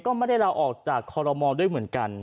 ก็ไม่ได้ลาออกจากคอรมอลด้วยเหมือนกัน